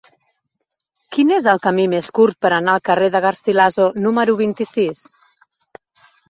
Quin és el camí més curt per anar al carrer de Garcilaso número vint-i-sis?